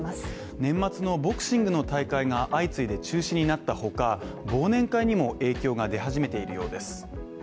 年末のボクシングの大会が相次いで中止になったほか、忘年会にも影響が出始めているようです。